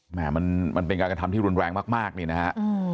มันเป็นการกระทำที่รุนแรงมากนี่นะฮะ